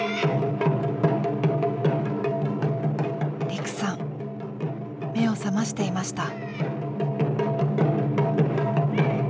琉久さん目を覚ましていました。